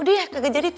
udah deh kagak jadi deh